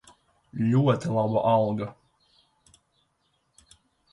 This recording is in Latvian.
Ļoti laba alga.